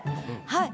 はい。